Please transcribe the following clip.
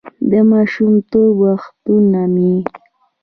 «د ماشومتوب وختونه مې: